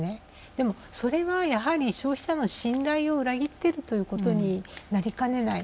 でもそれは消費者の信頼を裏切っているということになりかねない。